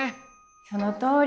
そのとおり。